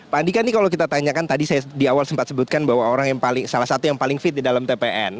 pak andika nih kalau kita tanyakan tadi saya di awal sempat sebutkan bahwa orang yang paling salah satu yang paling fit di dalam tpn